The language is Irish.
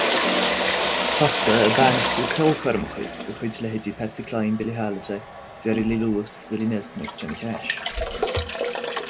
Thosaigh ag bainistiú ceolchoirmeacha de chuid leithéidí Patsy Cline, Billie Holiday, Jerry Lee Lewis, Willie Nelson agus Johnny Cash.